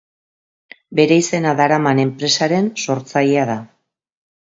Bere izena daraman enpresaren sortzailea da.